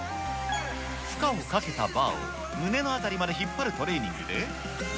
負荷をかけたバーを胸の辺りまで引っ張るトレーニングで。